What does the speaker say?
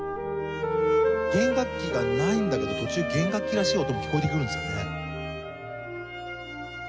弦楽器がないんだけど途中弦楽器らしい音も聴こえてくるんですよね。